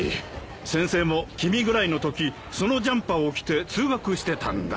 先生も君ぐらいのときそのジャンパーを着て通学してたんだ。